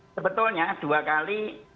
sebetulnya dua kali